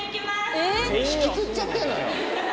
ねえ引きつっちゃってんのよ。